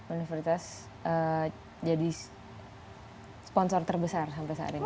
universitas jadi sponsor terbesar sampai saat ini